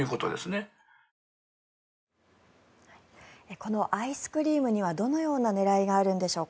このアイスクリームにはどのような狙いがあるんでしょうか。